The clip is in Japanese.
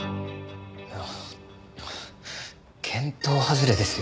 いや見当外れですよ。